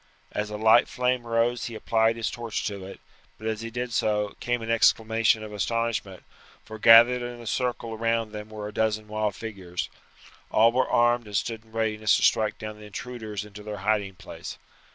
As a light flame rose he applied his torch to it; but as he did so, came an exclamation of astonishment, for gathered in a circle round them were a dozen wild figures. All were armed and stood in readiness to strike down the intruders into their hiding place.